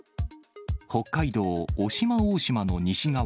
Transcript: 北海道渡島大島の西側